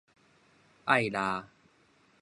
愛抐